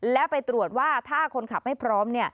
แล้วไปตรวจว่าถ้าคนขับไม่พร้อม